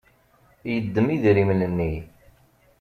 Yeddem idrimen-nni.